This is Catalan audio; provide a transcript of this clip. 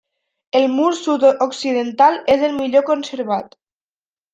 El mur sud-occidental és el millor conservat.